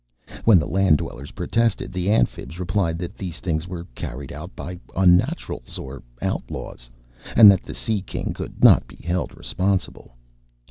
When the Land dwellers protested, the Amphibs replied that these things were carried out by unnaturals or outlaws, and that the Sea King could not be held responsible.